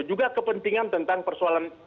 juga kepentingan tentang persoalan